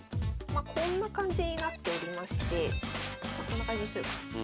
こんな感じになっておりましてこんな感じにすれば。